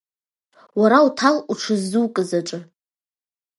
Уара уҭал уҽыззукыз аҿы.